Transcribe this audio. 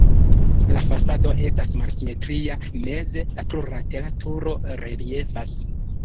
La fasado estas malsimetria, meze plurlatera turo reliefas.